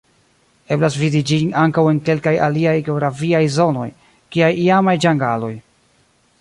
Eblas vidi ĝin ankaŭ en kelkaj aliaj geografiaj zonoj, kiaj iamaj ĝangaloj.